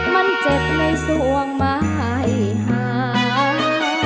มันเจ็บไม่สวงมาหายหาย